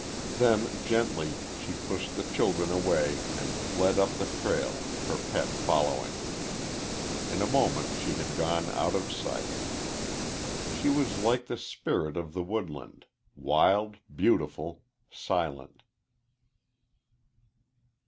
Then, gently, she pushed the children away and fled up the trail, her pet following. In a moment she had gone out of sight. She was like the spirit of the woodland wild, beautiful, silent.